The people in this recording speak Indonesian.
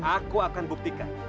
aku akan buktikan